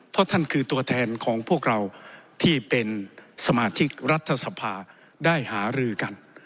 เพราะท่านคือตัวแทนของพวกเราที่เป็นสมาชิกรัฐสภาได้หารือกัน